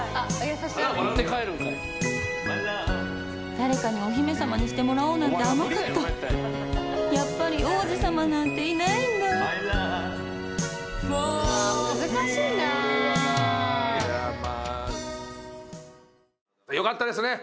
誰かにお姫様にしてもらおうなんて甘かったやっぱり王子様なんていないんだＭｙｌｏｖｅｓｏｓｗｅｅｔよかったですね